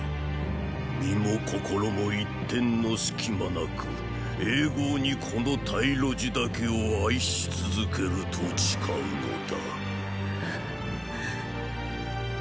身も心も一点の隙間なく永劫にこの太呂慈だけを愛し続けると誓うのだ。